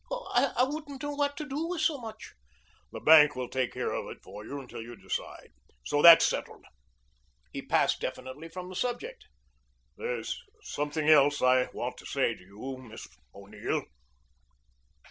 "I wouldn't know what to do with so much." "The bank will take care of it for you until you decide. So that's settled." He passed definitely from the subject. "There's something else I want to say to you, Miss O'Neill."